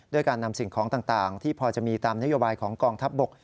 การนำสิ่งของต่างที่พอจะมีตามนโยบายของกองทัพบก